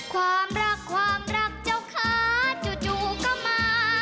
ความรักความรักเจ้าค้าจู่ก็มา